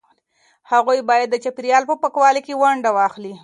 هغوی باید د چاپیریال په پاکوالي کې ونډه واخلي.